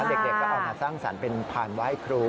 เด็กก็เอามาสร้างสรรค์เป็นผ่านไหว้ครู